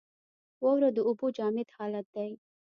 واوره د اوبو جامد حالت دی.